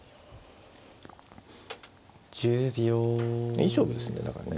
いい勝負ですねだからね。